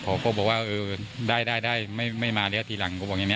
เขาก็บอกว่าเออได้ได้ไม่มาแล้วทีหลังก็บอกอย่างนี้